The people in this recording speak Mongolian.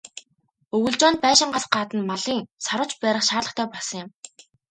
Өвөлжөөнд байшингаас гадна малын "саравч" барих шаардлагатай болсон юм.